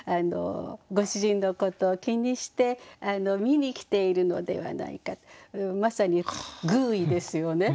ご主人のことを気にして見に来ているのではないかまさに寓意ですよね。